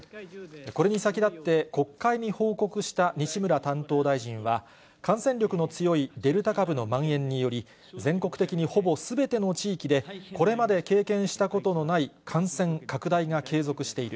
これに先立って、国会に報告した西村担当大臣は、感染力の強いデルタ株のまん延により、全国的にほぼすべての地域で、これまで経験したことのない感染拡大が継続している。